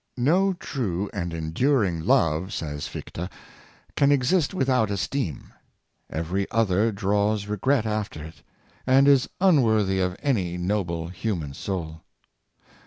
" No true and enduring love,' ' says Fichte, " can exist without esteem; every other draws regret after it, and is unworthy of any noble human soul.''